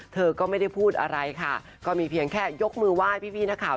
เธอก็ไม่ได้พูดอะไรค่ะก็มีเพียงแค่ยกมือไหว้พี่นักข่าว